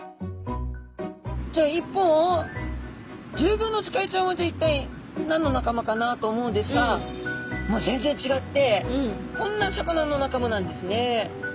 一方リュウグウノツカイちゃんはじゃあ一体何の仲間かなと思うんですがもう全然違ってこんな魚の仲間なんですね。